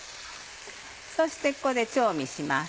そしてここで調味します。